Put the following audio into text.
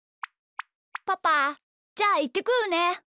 パパじゃあいってくるね。